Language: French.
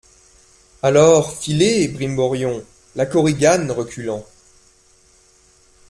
Alors, filez, brimborion ! LA KORIGANE, reculant.